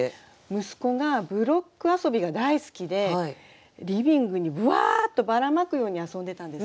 息子がブロック遊びが大好きでリビングにぶわっとばらまくように遊んでたんですね。